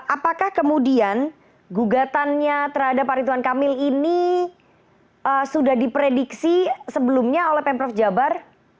apakah kemudian gugatannya terhadap pak rituan kamil ini sudah diprediksi sebelumnya oleh pemprov jabar